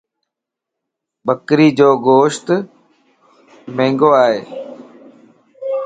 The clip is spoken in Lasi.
ٻڪري جو گوشت مھنگو ائي